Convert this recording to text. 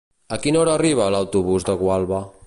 A quina hora arriba l'autobús de Gualba?